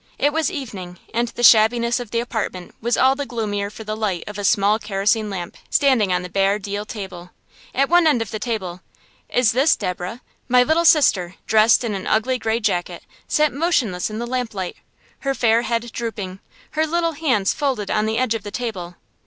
It was evening, and the shabbiness of the apartment was all the gloomier for the light of a small kerosene lamp standing on the bare deal table. At one end of the table is this Deborah? My little sister, dressed in an ugly gray jacket, sat motionless in the lamplight, her fair head drooping, her little hands folded on the edge of the table.